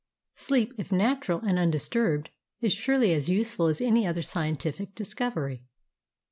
Sleep, if natural and undisturbed, is surely as useful as any other scientific discovery.